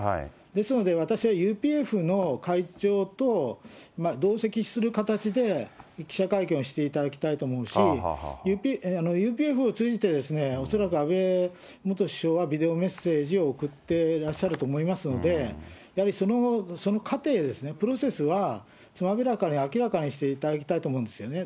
ですので、私はＵＰＦの会長と同席する形で記者会見をしていただきたいと思うし、ＵＰＦを通じて、恐らく安倍元首相はビデオメッセージを送ってらっしゃると思いますので、やはりその過程ですね、プロセスはつまびらかに明らかにしていただきたいと思うんですよね。